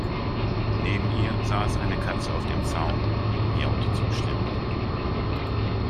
Neben ihr saß eine Katze auf dem Zaun und miaute zustimmend.